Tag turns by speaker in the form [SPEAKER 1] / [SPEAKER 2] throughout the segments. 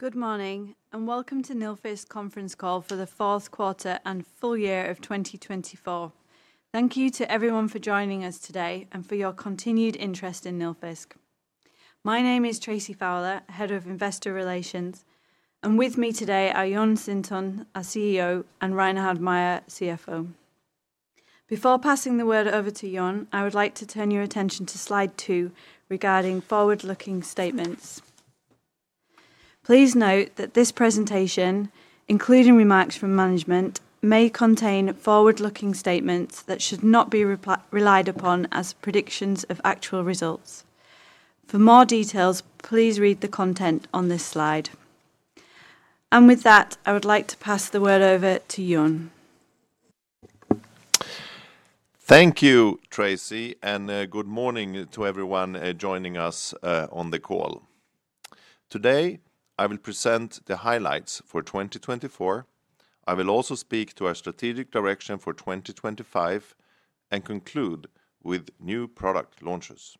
[SPEAKER 1] Good morning, and welcome to Nilfisk conference call for the fourth quarter and full year of 2024. Thank you to everyone for joining us today and for your continued interest in Nilfisk. My name is Tracy Fowler, Head of Investor Relations, and with me today are Jon Sintorn, CEO, and Reinhard Mayer, CFO. Before passing the word over to Jon, I would like to turn your attention to slide two regarding forward-looking statements. Please note that this presentation, including remarks from management, may contain forward-looking statements that should not be relied upon as predictions of actual results. For more details, please read the content on this slide. And with that, I would like to pass the word over to Jon.
[SPEAKER 2] Thank you, Tracy, and good morning to everyone joining us on the call. Today, I will present the highlights for 2024. I will also speak to our strategic direction for 2025 and conclude with new product launches.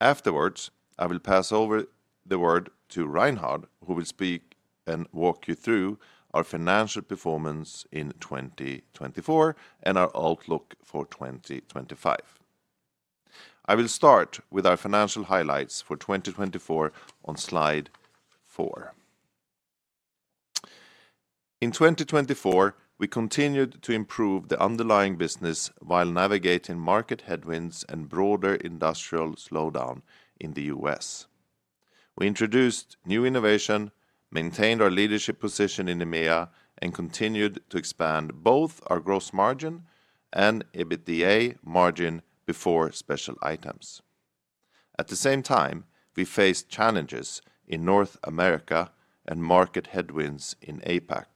[SPEAKER 2] Afterwards, I will pass over the word to Reinhard, who will speak and walk you through our financial performance in 2024 and our outlook for 2025. I will start with our financial highlights for 2024 on slide four. In 2024, we continued to improve the underlying business while navigating market headwinds and broader industrial slowdown in the U.S. We introduced new innovation, maintained our leadership position in EMEA, and continued to expand both our gross margin and EBITDA margin before special items. At the same time, we faced challenges in North America and market headwinds in APAC,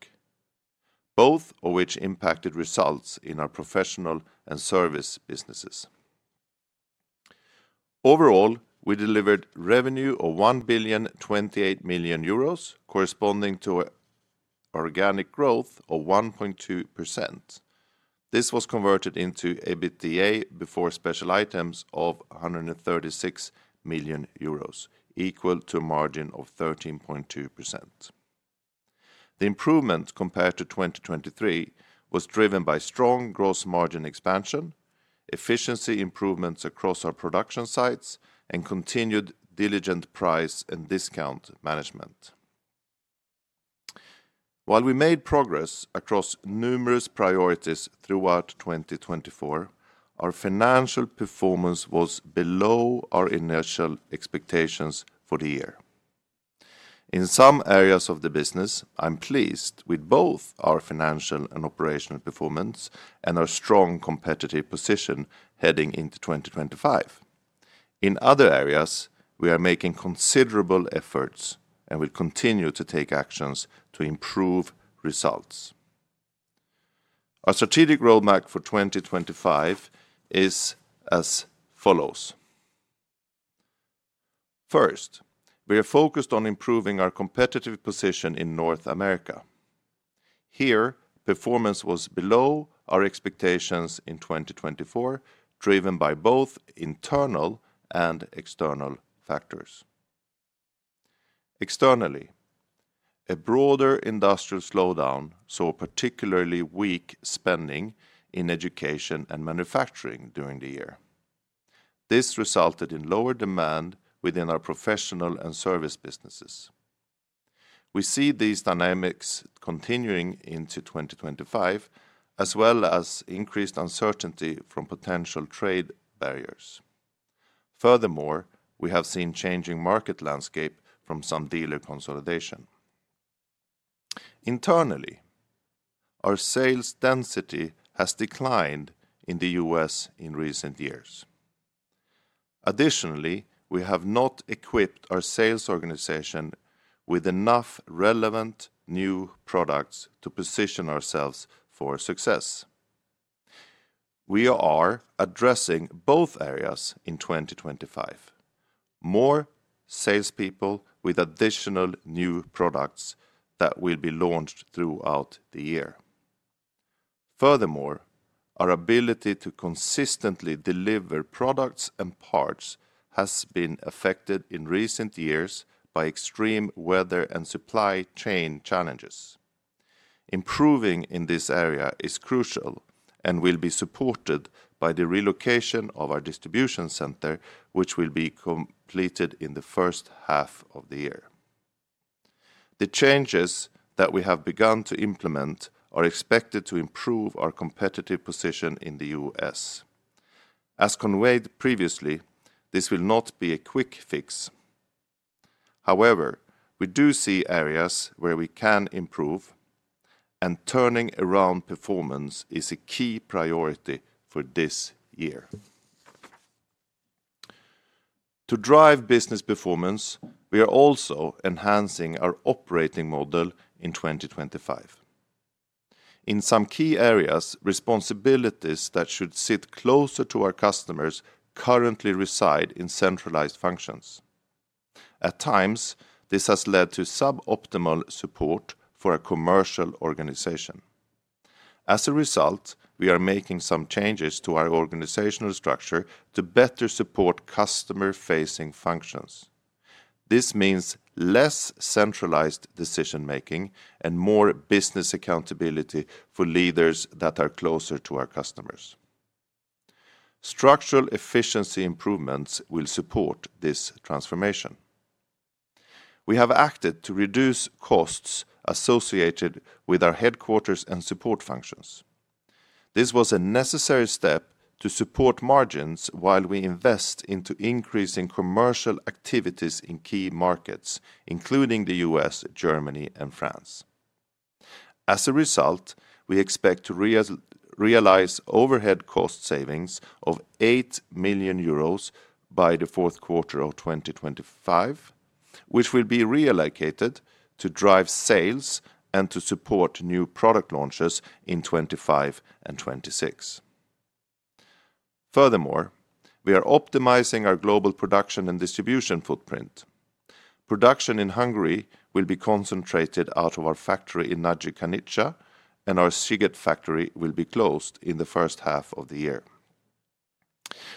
[SPEAKER 2] both of which impacted results in our Professional and Service businesses. Overall, we delivered revenue of 1,028,000,000 euros, corresponding to organic growth of 1.2%. This was converted into EBITDA before special items of 136 million euros equal to a margin of 13.2%. The improvement compared to 2023 was driven by strong gross margin expansion, efficiency improvements across our production sites, and continued diligent price and discount management. While we made progress across numerous priorities throughout 2024, our financial performance was below our initial expectations for the year. In some areas of the business, I'm pleased with both our financial and operational performance and our strong competitive position heading into 2025. In other areas, we are making considerable efforts and will continue to take actions to improve results. Our strategic roadmap for 2025 is as follows. First, we are focused on improving our competitive position in North America. Here, performance was below our expectations in 2024, driven by both internal and external factors. Externally, a broader industrial slowdown saw particularly weak spending in education and manufacturing during the year. This resulted in lower demand within our Professional and service businesses. We see these dynamics continuing into 2025, as well as increased uncertainty from potential trade barriers. Furthermore, we have seen a changing market landscape from some dealer consolidation. Internally, our sales density has declined in the U.S. in recent years. Additionally, we have not equipped our sales organization with enough relevant new products to position ourselves for success. We are addressing both areas in 2025: more salespeople with additional new products that will be launched throughout the year. Furthermore, our ability to consistently deliver products and parts has been affected in recent years by extreme weather and supply chain challenges. Improving in this area is crucial and will be supported by the relocation of our distribution center, which will be completed in the first half of the year. The changes that we have begun to implement are expected to improve our competitive position in the U.S. As conveyed previously, this will not be a quick fix. However, we do see areas where we can improve, and turning around performance is a key priority for this year. To drive business performance, we are also enhancing our operating model in 2025. In some key areas, responsibilities that should sit closer to our customers currently reside in centralized functions. At times, this has led to suboptimal support for a commercial organization. As a result, we are making some changes to our organizational structure to better support customer-facing functions. This means less centralized decision-making and more business accountability for leaders that are closer to our customers. Structural efficiency improvements will support this transformation. We have acted to reduce costs associated with our headquarters and support functions. This was a necessary step to support margins while we invest into increasing commercial activities in key markets, including the U.S., Germany, and France. As a result, we expect to realize overhead cost savings of 8 million euros by the fourth quarter of 2025, which will be reallocated to drive sales and to support new product launches in 2025 and 2026. Furthermore, we are optimizing our global production and distribution footprint. Production in Hungary will be concentrated out of our factory in Nagykanizsa, and our Sziget factory will be closed in the first half of the year.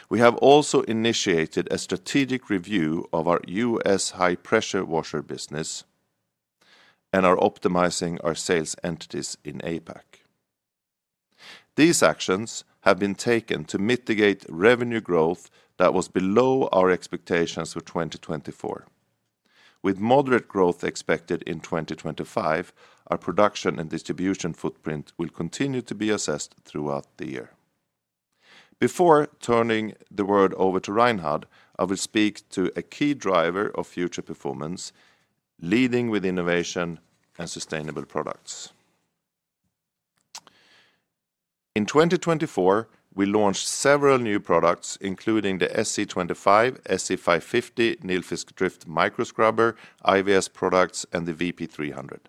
[SPEAKER 2] We have also initiated a strategic review of our U.S. high-pressure washer business and are optimizing our sales entities in APAC. These actions have been taken to mitigate revenue growth that was below our expectations for 2024. With moderate growth expected in 2025, our production and distribution footprint will continue to be assessed throughout the year. Before turning the floor over to Reinhard, I will speak to a key driver of future performance leading with innovation and sustainable products. In 2024, we launched several new products, including the SC25, SC550, Nilfisk Dryft Micro Scrubber, IVS products, and the VP300.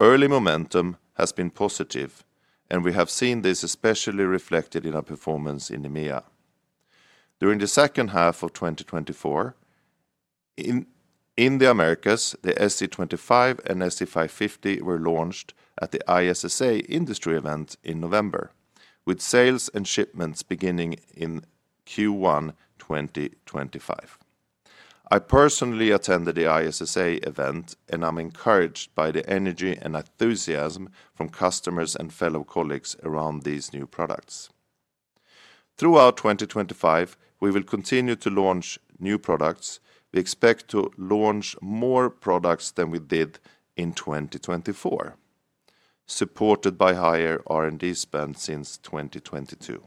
[SPEAKER 2] Early momentum has been positive, and we have seen this especially reflected in our performance in EMEA. During the second half of 2024, in the Americas, the SC25 and SC550 were launched at the ISSA industry event in November, with sales and shipments beginning in Q1 2025. I personally attended the ISSA event, and I'm encouraged by the energy and enthusiasm from customers and fellow colleagues around these new products. Throughout 2025, we will continue to launch new products. We expect to launch more products than we did in 2024, supported by higher R&D spend since 2022.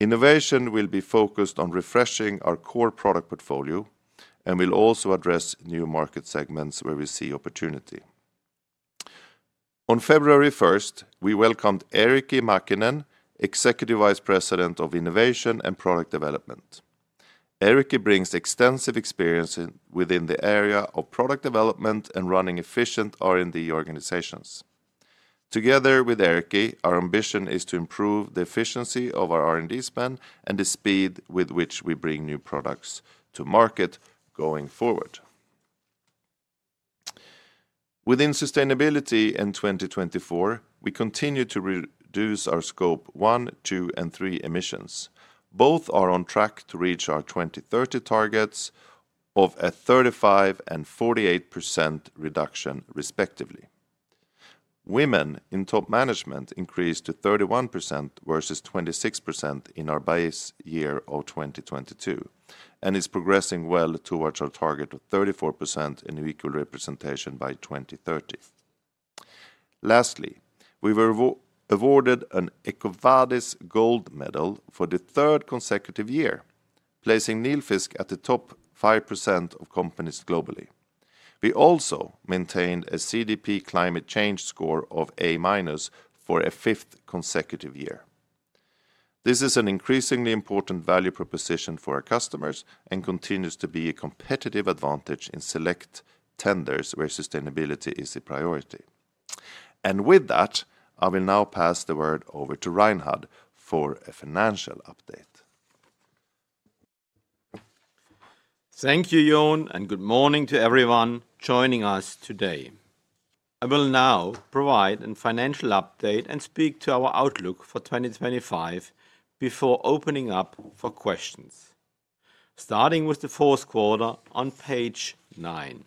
[SPEAKER 2] Innovation will be focused on refreshing our core product portfolio and will also address new market segments where we see opportunity. On February 1st, we welcomed Eerikki Mäkinen, Executive Vice President of Innovation and Product Development. Eerikki brings extensive experience within the area of product development and running efficient R&D organizations. Together with Eerikki, our ambition is to improve the efficiency of our R&D spend and the speed with which we bring new products to market going forward. Within sustainability in 2024, we continue to reduce our Scope 1, 2, and 3 emissions. Both are on track to reach our 2030 targets of a 35% and 48% reduction, respectively. Women in top management increased to 31% versus 26% in our base year of 2022 and is progressing well towards our target of 34% in equal representation by 2030. Lastly, we were awarded an EcoVadis Gold Medal for the third consecutive year, placing Nilfisk at the top 5% of companies globally. We also maintained a CDP Climate Change Score of A minus for a fifth consecutive year. This is an increasingly important value proposition for our customers and continues to be a competitive advantage in select tenders where sustainability is a priority. And with that, I will now pass the word over to Reinhard for a financial update.
[SPEAKER 3] Thank you, Jon, and good morning to everyone joining us today. I will now provide a financial update and speak to our outlook for 2025 before opening up for questions. Starting with the fourth quarter on page nine.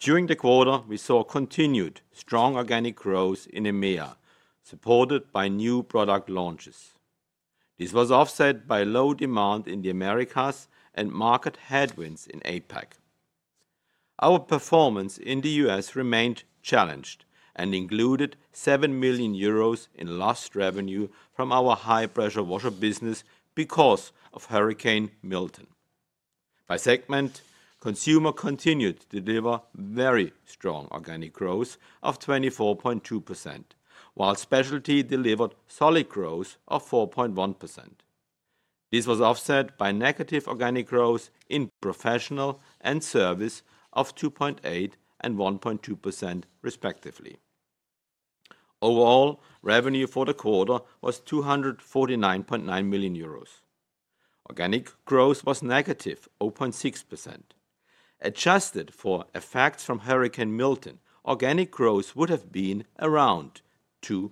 [SPEAKER 3] During the quarter, we saw continued strong organic growth in EMEA, supported by new product launches. This was offset by low demand in the Americas and market headwinds in APAC. Our performance in the U.S. remained challenged and included 7 million euros in lost revenue from our high-pressure washer business because of Hurricane Milton. By segment, Consumer continued to deliver very strong organic growth of 24.2%, while Specialty delivered solid growth of 4.1%. This was offset by negative organic growth in Professional and Service of 2.8% and 1.2%, respectively. Overall, revenue for the quarter was 249.9 million euros. Organic growth was negative 0.6%. Adjusted for effects from Hurricane Milton, organic growth would have been around 2%.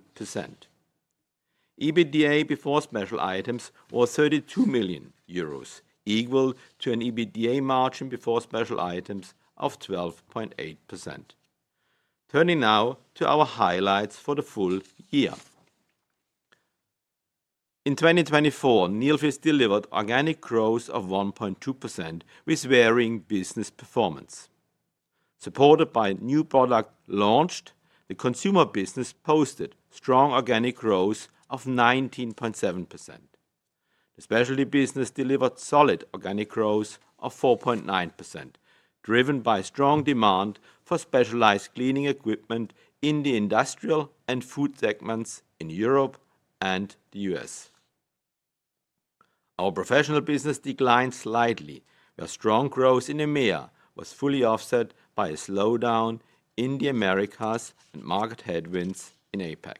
[SPEAKER 3] EBITDA before special items was 32 million euros, equal to an EBITDA margin before special items of 12.8%. Turning now to our highlights for the full year. In 2024, Nilfisk delivered organic growth of 1.2% with varying business performance. Supported by new product launched, the Consumer business posted strong organic growth of 19.7%. The Specialty business delivered solid organic growth of 4.9%, driven by strong demand for specialized cleaning equipment in the industrial and food segments in Europe and the U.S. Our Professional business declined slightly, where strong growth in EMEA was fully offset by a slowdown in the Americas and market headwinds in APAC.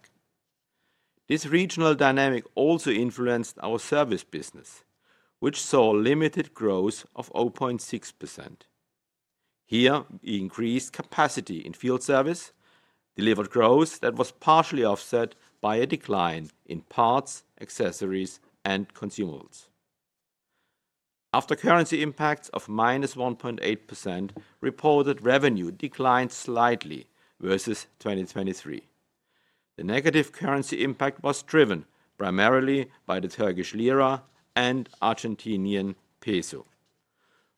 [SPEAKER 3] This regional dynamic also influenced our Service business, which saw limited growth of 0.6%. Here, we increased capacity in field Service, delivered growth that was partially offset by a decline in parts, accessories, and consumables. After currency impacts of minus 1.8%, reported revenue declined slightly versus 2023. The negative currency impact was driven primarily by the Turkish lira and Argentinian peso.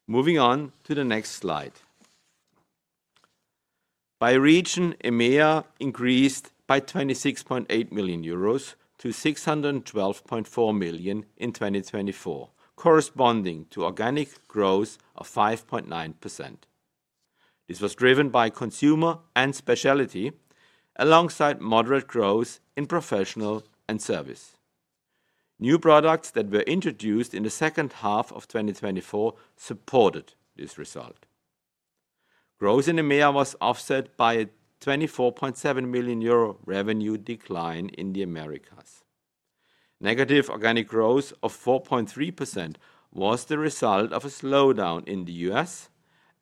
[SPEAKER 3] Moving on to the next slide. By region, EMEA increased by 26.8 million euros to 612.4 million in 2024, corresponding to organic growth of 5.9%. This was driven by Consumer and Specialty alongside moderate growth in Professional and Service. New products that were introduced in the second half of 2024 supported this result. Growth in EMEA was offset by a 24.7 million euro revenue decline in the Americas. Negative organic growth of 4.3% was the result of a slowdown in the U.S.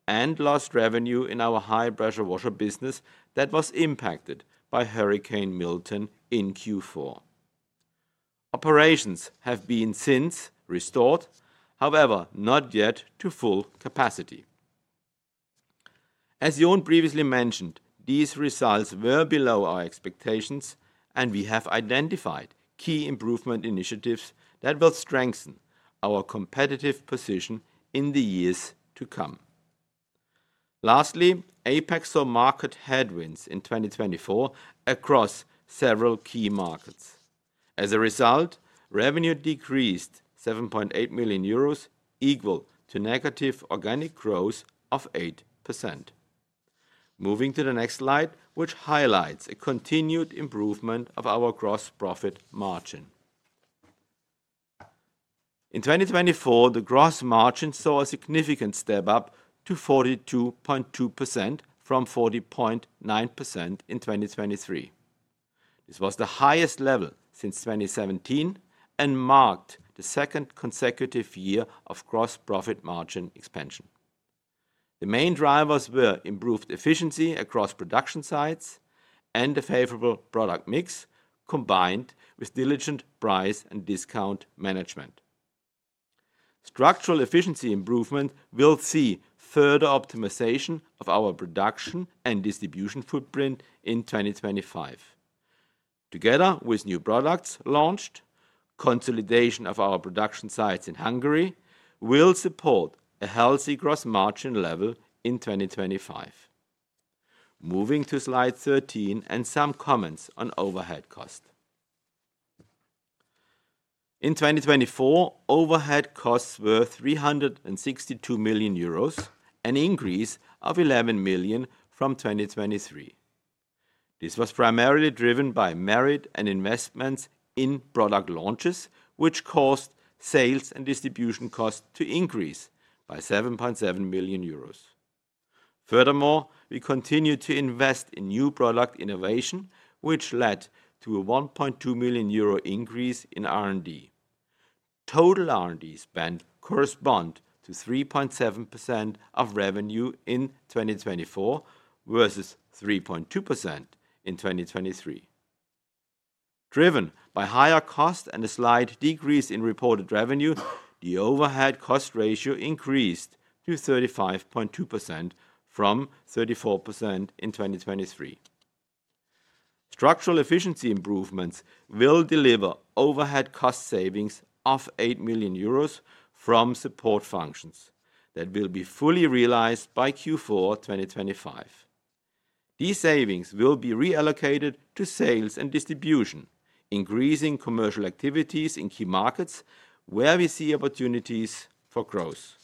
[SPEAKER 3] and lost revenue in our high-pressure washer business that was impacted by Hurricane Milton in Q4. Operations have been since restored, however, not yet to full capacity. As Jon previously mentioned, these results were below our expectations, and we have identified key improvement initiatives that will strengthen our competitive position in the years to come. Lastly, APAC saw market headwinds in 2024 across several key markets. As a result, revenue decreased 7.8 million euros, equal to negative organic growth of 8%. Moving to the next slide, which highlights a continued improvement of our gross profit margin. In 2024, the gross margin saw a significant step up to 42.2% from 40.9% in 2023. This was the highest level since 2017 and marked the second consecutive year of gross profit margin expansion. The main drivers were improved efficiency across production sites and a favorable product mix, combined with diligent price and discount management. Structural efficiency improvement will see further optimization of our production and distribution footprint in 2025. Together with new products launched, consolidation of our production sites in Hungary will support a healthy gross margin level in 2025. Moving to slide 13 and some comments on overhead cost. In 2024, overhead costs were 362 million euros and an increase of 11 million from 2023. This was primarily driven by merit and investments in product launches, which caused sales and distribution costs to increase by 7.7 million euros. Furthermore, we continued to invest in new product innovation, which led to a 1.2 million euro increase in R&D. Total R&D spend corresponds to 3.7% of revenue in 2024 versus 3.2% in 2023. Driven by higher costs and a slight decrease in reported revenue, the overhead cost ratio increased to 35.2% from 34% in 2023. Structural efficiency improvements will deliver overhead cost savings of 8 million euros from support functions that will be fully realized by Q4 2025. These savings will be reallocated to sales and distribution, increasing commercial activities in key markets where we see opportunities for growth.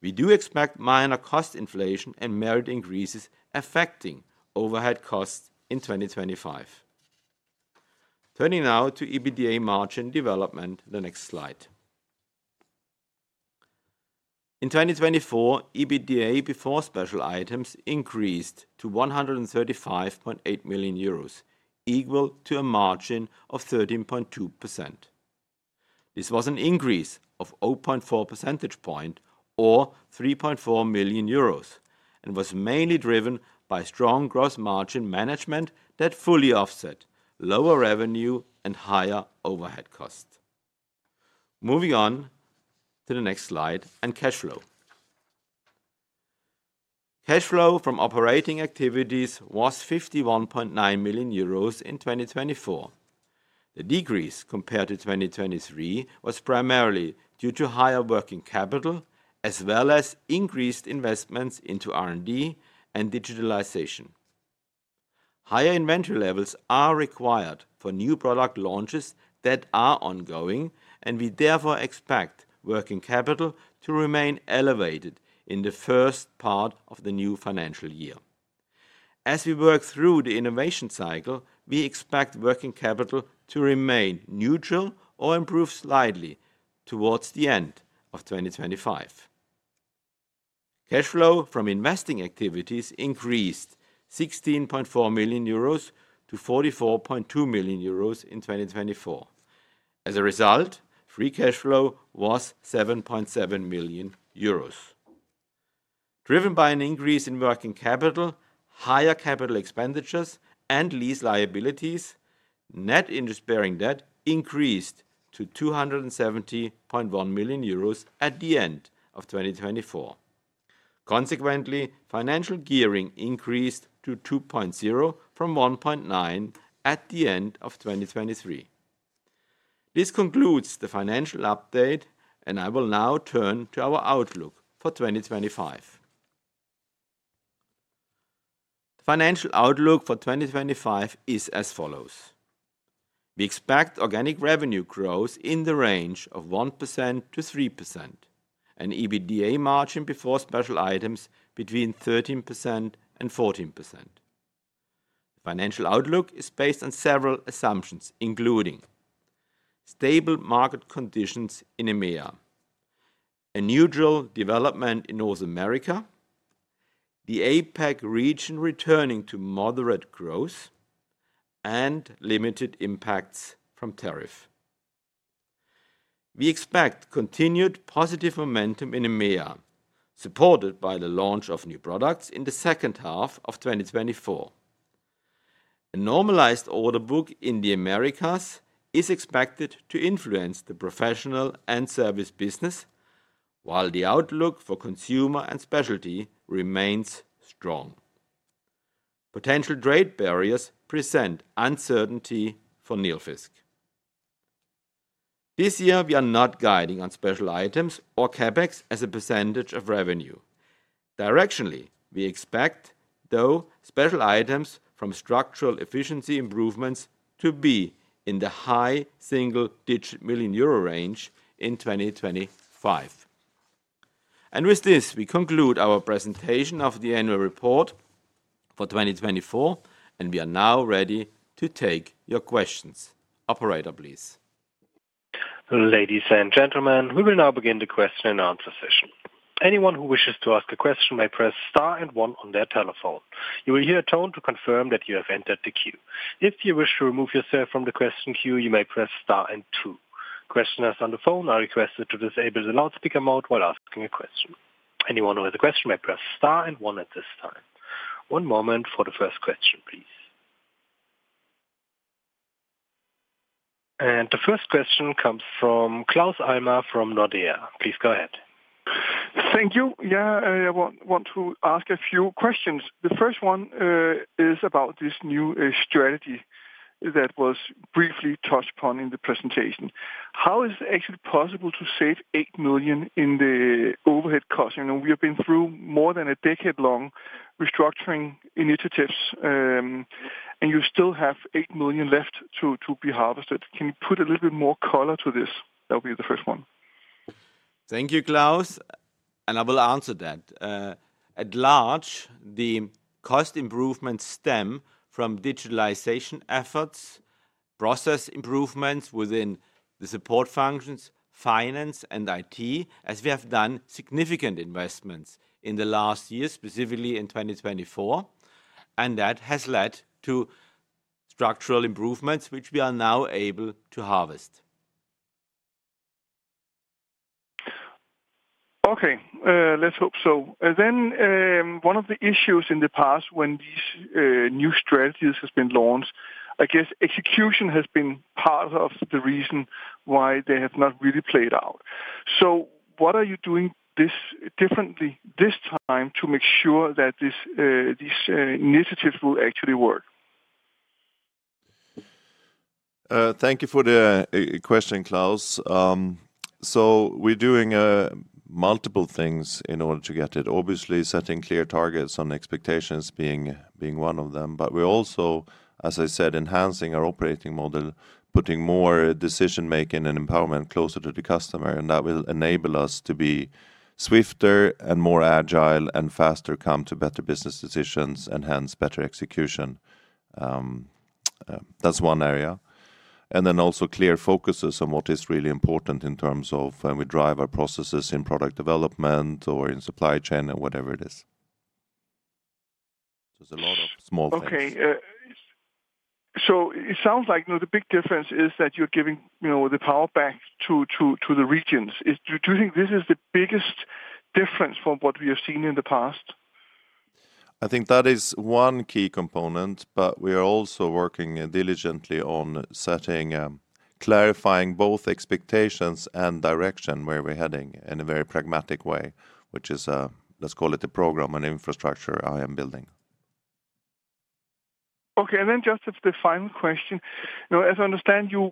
[SPEAKER 3] We do expect minor cost inflation and merit increases affecting overhead costs in 2025. Turning now to EBITDA margin development, the next slide. In 2024, EBITDA before special items increased to 135.8 million euros, equal to a margin of 13.2%. This was an increase of 0.4 percentage points or 3.4 million euros and was mainly driven by strong gross margin management that fully offset lower revenue and higher overhead costs. Moving on to the next slide, and cash flow. Cash flow from operating activities was 51.9 million euros in 2024. The decrease compared to 2023 was primarily due to higher working capital as well as increased investments into R&D and digitalization. Higher inventory levels are required for new product launches that are ongoing, and we therefore expect working capital to remain elevated in the first part of the new financial year. As we work through the innovation cycle, we expect working capital to remain neutral or improve slightly towards the end of 2025. Cash flow from investing activities increased 16.4 million-44.2 million euros in 2024. As a result, free cash flow was 7.7 million euros. Driven by an increase in working capital, higher capital expenditures, and lease liabilities, net interest-bearing debt increased to 270.1 million euros at the end of 2024. Consequently, financial gearing increased to 2.0 from 1.9 at the end of 2023. This concludes the financial update, and I will now turn to our outlook for 2025. The financial outlook for 2025 is as follows. We expect organic revenue growth in the range of 1%-3%, an EBITDA margin before special items between 13% and 14%. The financial outlook is based on several assumptions, including stable market conditions in EMEA, a neutral development in North America, the APAC region returning to moderate growth, and limited impacts from tariff. We expect continued positive momentum in EMEA, supported by the launch of new products in the second half of 2024. A normalized order book in the Americas is expected to influence the Professional and Service business, while the outlook for Consumer and Specialty remains strong. Potential trade barriers present uncertainty for Nilfisk. This year, we are not guiding on special items or CapEx as a percentage of revenue. Directionally, we expect, though, special items from structural efficiency improvements to be in the high single-digit million EUR range in 2025. With this, we conclude our presentation of the annual report for 2024, and we are now ready to take your questions. Operator, please.
[SPEAKER 4] Ladies and gentlemen, we will now begin the question-and-answer session. Anyone who wishes to ask a question may press star and one on their telephone. You will hear a tone to confirm that you have entered the queue. If you wish to remove yourself from the question queue, you may press star and two. Questioners on the phone are requested to disable the loudspeaker mode while asking a question. Anyone who has a question may press star and one at this time. One moment for the first question, please. And the first question comes from Claus Almer from Nordea. Please go ahead.
[SPEAKER 5] Thank you. Yeah, I want to ask a few questions. The first one is about this new strategy that was briefly touched upon in the presentation. How is it actually possible to save 8 million in the overhead cost? We have been through more than a decade-long restructuring initiatives, and you still have 8 million left to be harvested. Can you put a little bit more color to this? That will be the first one.
[SPEAKER 3] Thank you, Claus, and I will answer that. By and large, the cost improvement stemmed from digitalization efforts, process improvements within the support functions, finance, and IT, as we have done significant investments in the last year, specifically in 2024, and that has led to structural improvements, which we are now able to harvest.
[SPEAKER 5] Okay, let's hope so. Then one of the issues in the past when these new strategies have been launched, I guess execution has been part of the reason why they have not really played out. So what are you doing differently this time to make sure that these initiatives will actually work?
[SPEAKER 2] Thank you for the question, Claus. So, we're doing multiple things in order to get it. Obviously, setting clear targets on expectations being one of them, but we're also, as I said, enhancing our operating model, putting more decision-making and empowerment closer to the customer, and that will enable us to be swifter and more agile and faster come to better business decisions and hence better execution. That's one area, and then also clear focuses on what is really important in terms of when we drive our processes in product development or in supply chain or whatever it is, so it's a lot of small things.
[SPEAKER 5] Okay, so it sounds like the big difference is that you're giving the power back to the regions. Do you think this is the biggest difference from what we have seen in the past?
[SPEAKER 2] I think that is one key component, but we are also working diligently on setting, clarifying both expectations and direction where we're heading in a very pragmatic way, which is, let's call it a program and infrastructure I am building.
[SPEAKER 5] Okay. And then just as the final question, as I understand, you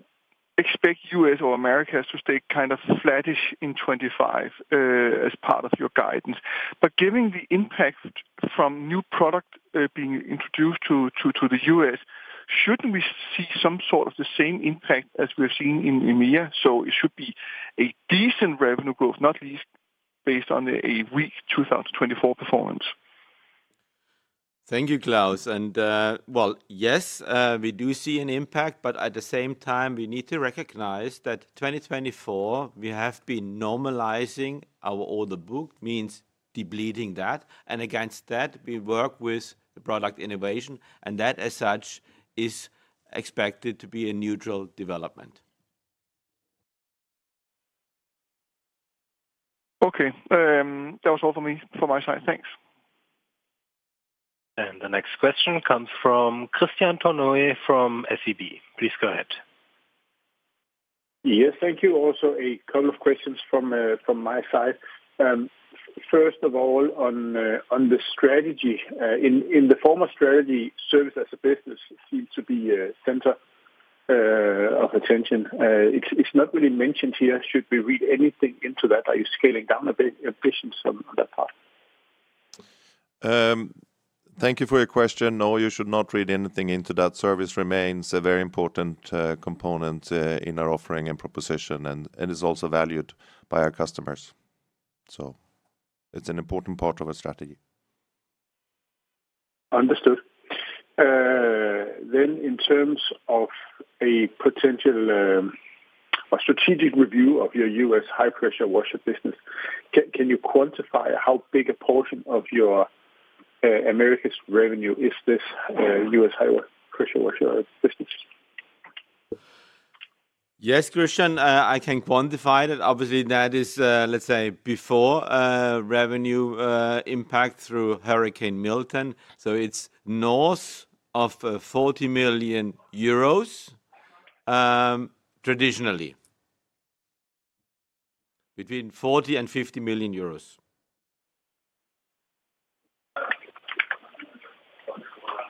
[SPEAKER 5] expect U.S. or Americas to stay kind of flattish in 2025 as part of your guidance. But given the impact from new product being introduced to the U.S., shouldn't we see some sort of the same impact as we've seen in EMEA? So it should be a decent revenue growth, not least based on a weak 2024 performance.
[SPEAKER 3] Thank you, Claus. And well, yes, we do see an impact, but at the same time, we need to recognize that 2024, we have been normalizing our order book, means depleting that. And against that, we work with product innovation, and that as such is expected to be a neutral development.
[SPEAKER 5] Okay. That was all for me from my side. Thanks.
[SPEAKER 4] The next question comes from Kristian Tornøe from SEB. Please go ahead.
[SPEAKER 6] Yes, thank you. Also, a couple of questions from my side. First of all, on the strategy, in the former strategy, Service as a business seemed to be the center of attention. It's not really mentioned here. Should we read anything into that? Are you scaling down a bit on that part?
[SPEAKER 2] Thank you for your question. No, you should not read anything into that. Service remains a very important component in our offering and proposition, and it's also valued by our customers. So it's an important part of our strategy.
[SPEAKER 6] Understood. Then in terms of a potential or strategic review of your U.S. high-pressure washer business, can you quantify how big a portion of your Americas revenue is this U.S. high-pressure washer business?
[SPEAKER 3] Yes, Kristian, I can quantify that. Obviously, that is, let's say, before revenue impact through Hurricane Milton. So it's north of 40 million euros traditionally, between 40 million and 50 million euros.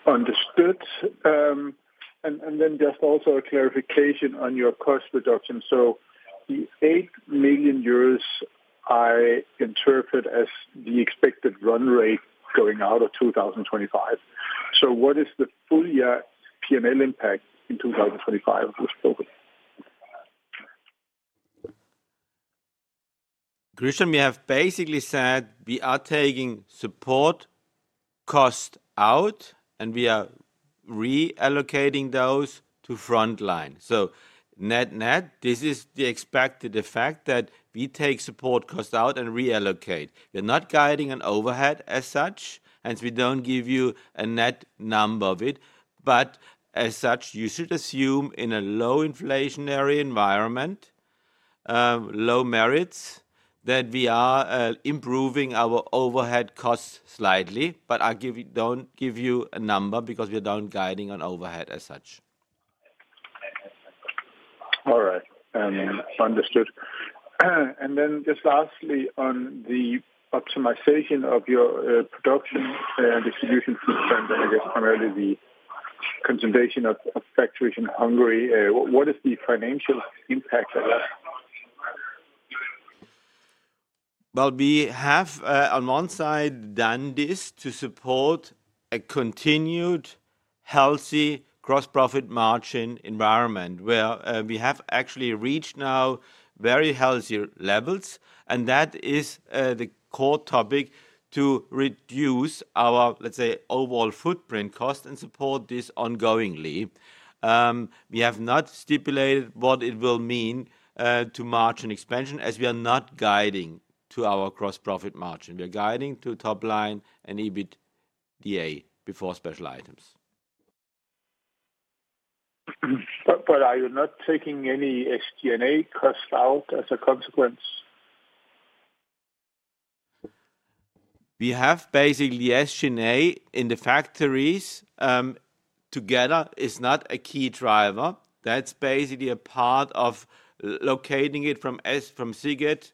[SPEAKER 6] Understood. And then just also a clarification on your cost reduction. So the 8 million euros I interpret as the expected run rate going out of 2025. So what is the full year P&L impact in 2025 of this program?
[SPEAKER 3] Kristian, we have basically said we are taking support cost out, and we are reallocating those to front line, net net. This is the expected effect that we take support cost out and reallocate. We're not guiding an overhead as such, and we don't give you a net number of it. But as such, you should assume in a low inflationary environment, low merits, that we are improving our overhead cost slightly, but I don't give you a number because we don't guide on overhead as such.
[SPEAKER 6] All right. Understood. And then just lastly, on the optimization of your production and distribution footprint, and I guess primarily the consolidation of factories in Hungary, what is the financial impact of that?
[SPEAKER 3] We have, on one side, done this to support a continued healthy gross profit margin environment where we have actually reached now very healthy levels, and that is the core topic to reduce our, let's say, overall footprint cost and support this ongoingly. We have not stipulated what it will mean to margin expansion as we are not guiding to our gross profit margin. We are guiding to top line and EBITDA before Special items.
[SPEAKER 6] But are you not taking any SG&A cost out as a consequence?
[SPEAKER 3] We have basically SG&A in the factories together is not a key driver. That's basically a part of locating it from Sziget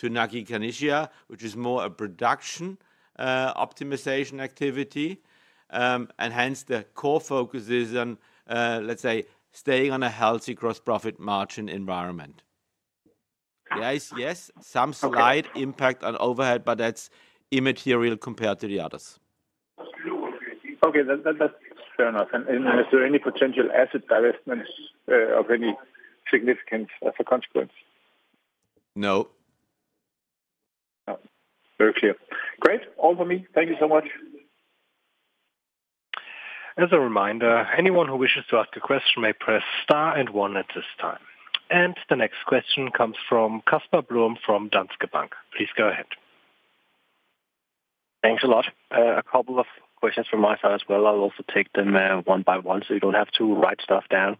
[SPEAKER 3] to Nagykanizsa, which is more a production optimization activity, and hence the core focus is on, let's say, staying on a healthy gross profit margin environment. Yes, yes, some slight impact on overhead, but that's immaterial compared to the others.
[SPEAKER 6] Okay, that's fair enough. And is there any potential asset divestments of any significance as a consequence?
[SPEAKER 3] No.
[SPEAKER 6] Very clear. Great. All for me. Thank you so much.
[SPEAKER 4] As a reminder, anyone who wishes to ask a question may press star and one at this time. The next question comes from Casper Blom from Danske Bank. Please go ahead.
[SPEAKER 7] Thanks a lot. A couple of questions from my side as well. I'll also take them one by one so you don't have to write stuff down.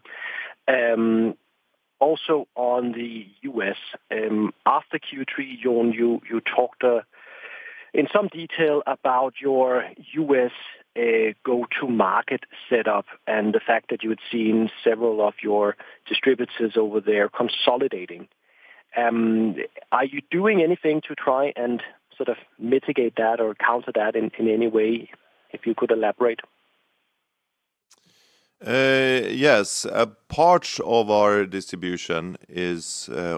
[SPEAKER 7] Also on the U.S., after Q3, Jon, you talked in some detail about your U.S. go-to-market setup and the fact that you had seen several of your distributors over there consolidating. Are you doing anything to try and sort of mitigate that or counter that in any way? If you could elaborate.
[SPEAKER 2] Yes. A part of our distribution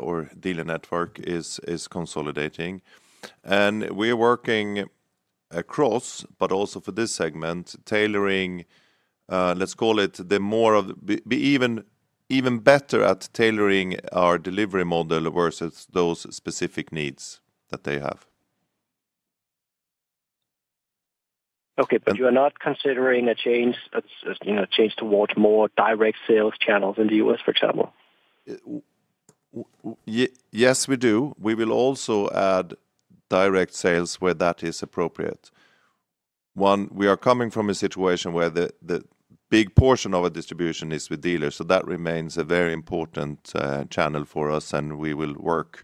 [SPEAKER 2] or dealer network is consolidating, and we're working across, but also for this segment, tailoring, let's call it the more of even better at tailoring our delivery model versus those specific needs that they have.
[SPEAKER 7] Okay, but you are not considering a change towards more direct sales channels in the U.S., for example?
[SPEAKER 2] Yes, we do. We will also add direct sales where that is appropriate. One, we are coming from a situation where the big portion of our distribution is with dealers, so that remains a very important channel for us, and we will work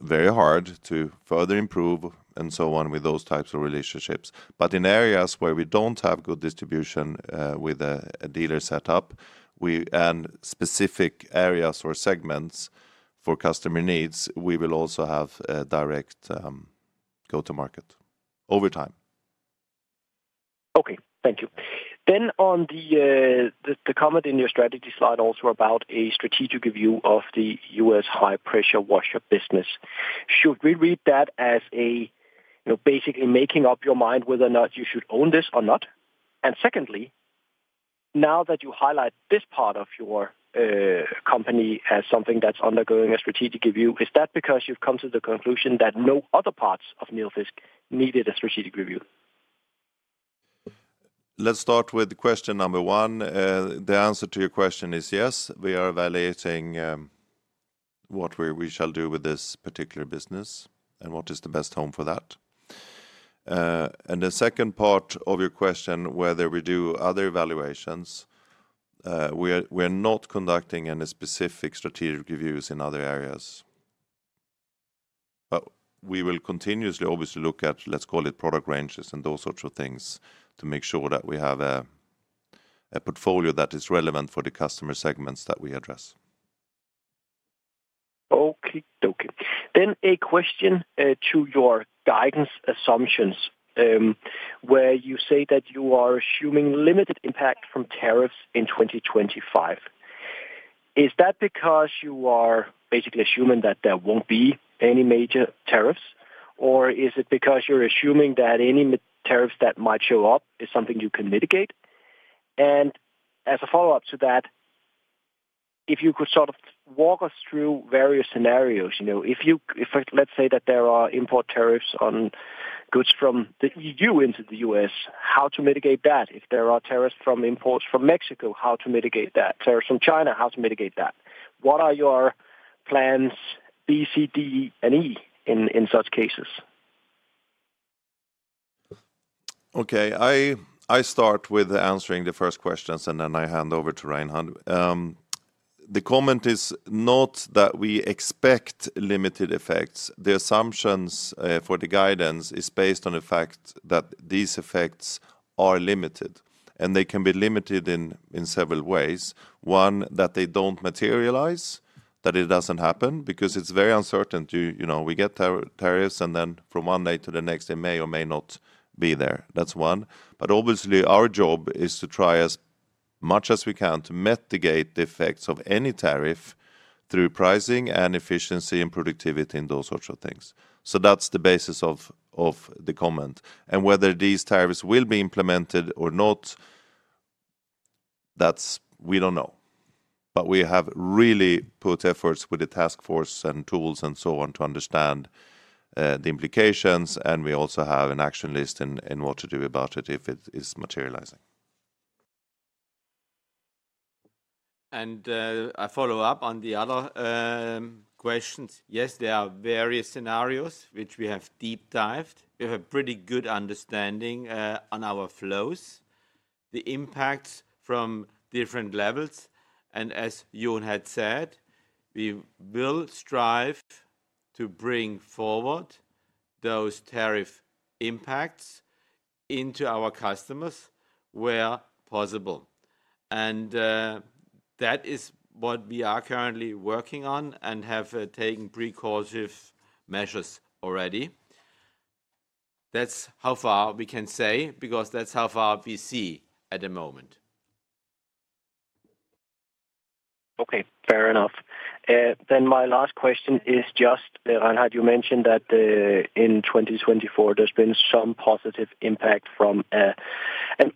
[SPEAKER 2] very hard to further improve and so on with those types of relationships. But in areas where we don't have good distribution with a dealer setup and specific areas or segments for customer needs, we will also have a direct go-to-market over time.
[SPEAKER 7] Okay, thank you, then on the comment in your strategy slide also about a strategic review of the U.S. high-pressure washer business, should we read that as basically making up your mind whether or not you should own this or not? And secondly, now that you highlight this part of your company as something that's undergoing a strategic review, is that because you've come to the conclusion that no other parts of Nilfisk needed a strategic review?
[SPEAKER 2] Let's start with question number one. The answer to your question is yes. We are evaluating what we shall do with this particular business and what is the best home for that. And the second part of your question, whether we do other evaluations, we are not conducting any specific strategic reviews in other areas. But we will continuously, obviously, look at, let's call it, product ranges and those sorts of things to make sure that we have a portfolio that is relevant for the customer segments that we address.
[SPEAKER 7] Okay, okay. Then a question to your guidance assumptions where you say that you are assuming limited impact from tariffs in 2025. Is that because you are basically assuming that there won't be any major tariffs, or is it because you're assuming that any tariffs that might show up is something you can mitigate? And as a follow-up to that, if you could sort of walk us through various scenarios. If, let's say, that there are import tariffs on goods from the EU into the U.S., how to mitigate that? If there are tariffs from imports from Mexico, how to mitigate that? Tariffs from China, how to mitigate that? What are your plans, B, C, D, and E in such cases?
[SPEAKER 2] Okay, I start with answering the first questions, and then I hand over to Reinhard. The comment is not that we expect limited effects. The assumptions for the guidance is based on the fact that these effects are limited, and they can be limited in several ways. One, that they don't materialize, that it doesn't happen because it's very uncertain. We get tariffs, and then from one day to the next, they may or may not be there. That's one. But obviously, our job is to try as much as we can to mitigate the effects of any tariff through pricing and efficiency and productivity and those sorts of things. So that's the basis of the comment. And whether these tariffs will be implemented or not, we don't know. But we have really put efforts with the task force and tools and so on to understand the implications, and we also have an action list in what to do about it if it is materializing.
[SPEAKER 3] I follow up on the other questions. Yes, there are various scenarios which we have deep-dived. We have a pretty good understanding on our flows, the impacts from different levels. As Jon had said, we will strive to bring forward those tariff impacts into our customers where possible. That is what we are currently working on and have taken precautionary measures already. That's how far we can say because that's how far we see at the moment.
[SPEAKER 7] Okay, fair enough. Then my last question is just, Reinhard, you mentioned that in 2024, there's been some positive impact from an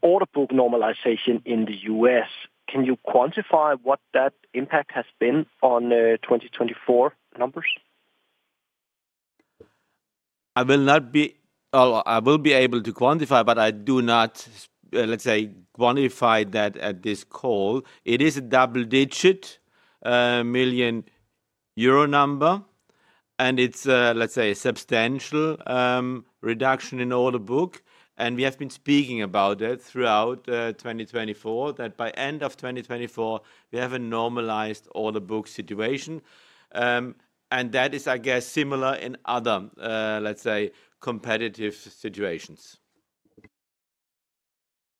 [SPEAKER 7] order book normalization in the U.S. Can you quantify what that impact has been on 2024 numbers?
[SPEAKER 3] I will not be able to quantify, but I do not, let's say, quantify that at this call. It is a double-digit million euro number, and it's, let's say, a substantial reduction in order book. And we have been speaking about it throughout 2024, that by end of 2024, we have a normalized order book situation. And that is, I guess, similar in other, let's say, competitive situations.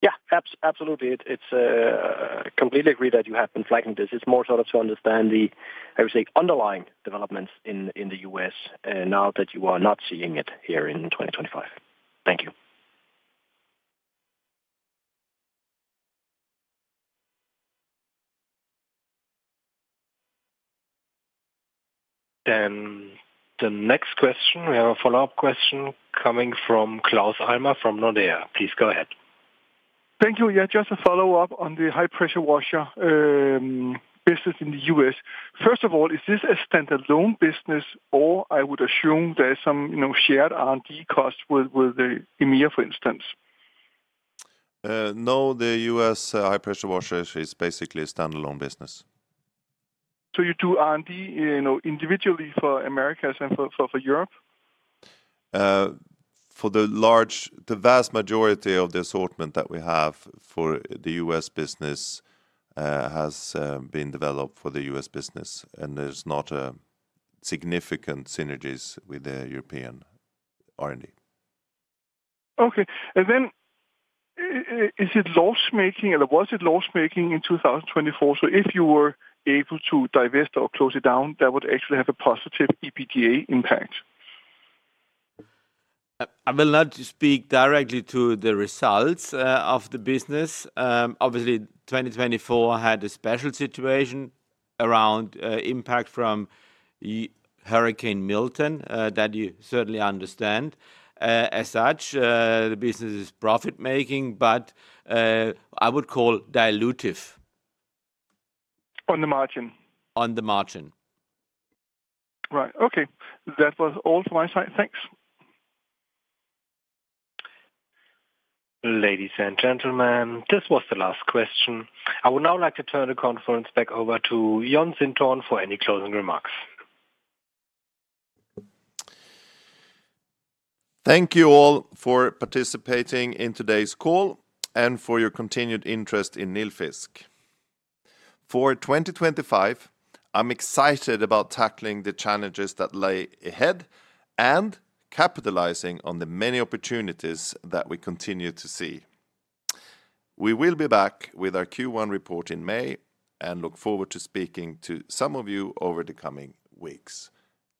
[SPEAKER 7] Yeah, absolutely. I completely agree that you have been flagging this. It's more sort of to understand the, I would say, underlying developments in the U.S. now that you are not seeing it here in 2025. Thank you.
[SPEAKER 4] Then the next question, we have a follow-up question coming from Claus Almer from Nordea. Please go ahead.
[SPEAKER 5] Thank you. Yeah, just a follow-up on the high-pressure washer business in the U.S. First of all, is this a standalone business, or I would assume there's some shared R&D cost with the EMEA, for instance?
[SPEAKER 2] No, the U.S. high-pressure washer is basically a standalone business.
[SPEAKER 5] So you do R&D individually for America and for Europe?
[SPEAKER 2] For the vast majority of the assortment that we have for the U.S. business has been developed for the U.S. business, and there's not significant synergies with the European R&D.
[SPEAKER 5] Okay. And then is it loss-making, or was it loss-making in 2024? So if you were able to divest or close it down, that would actually have a positive EBITDA impact?
[SPEAKER 3] I will not speak directly to the results of the business. Obviously, 2024 had a special situation around impact from Hurricane Milton that you certainly understand. As such, the business is profit-making, but I would call dilutive.
[SPEAKER 5] On the margin.
[SPEAKER 3] On the margin.
[SPEAKER 5] Right. Okay. That was all from my side. Thanks.
[SPEAKER 4] Ladies and gentlemen, this was the last question. I would now like to turn the conference back over to Jon Sintorn for any closing remarks.
[SPEAKER 2] Thank you all for participating in today's call and for your continued interest in Nilfisk. For 2025, I'm excited about tackling the challenges that lay ahead and capitalizing on the many opportunities that we continue to see. We will be back with our Q1 report in May and look forward to speaking to some of you over the coming weeks.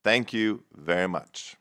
[SPEAKER 2] Thank you very much.